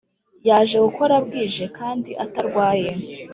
Yaje gukora bwije kandi atarwaye